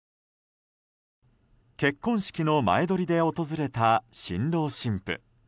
結婚式の前撮りで訪れた新郎新婦。